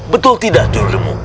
betul tidak juru demung